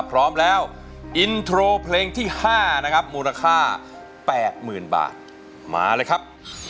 พร้อมแล้วอินโทรเพลงที่๕นะครับมูลค่า๘๐๐๐บาทมาเลยครับ